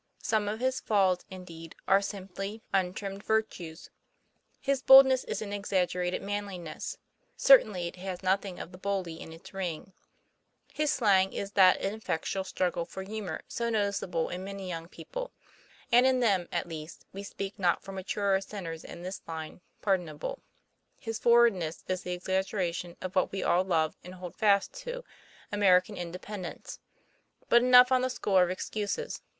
Some of his flaws, indeed, are simply untrimmed vir 58 TOM PLAYFAIR. tues. His boldness is an exaggerated manliness * certainly it has nothing of the bully in its ring; his slang is that ineffectual struggle for humor so notice able in many young people ; and in them, at least we speak not for maturer sinners in this line pardona ble; his forwardness is the exaggeration of what we all love and hold fast to American independence. But enough on the score of excuses.